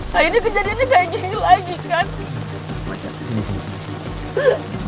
nah ini kejadiannya kayak gini lagi kak